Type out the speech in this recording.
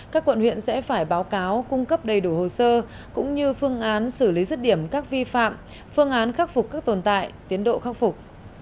các quận huyện sẽ phải báo cáo cung cấp đầy đủ hồ sơ cũng như phương án xử lý rứt điểm các vi phạm phương án khắc phục các tồn tại tiến độ khắc phục